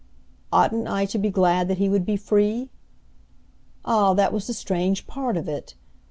Oughtn't I to be glad that he would be free? Ah, that was the strange part of it!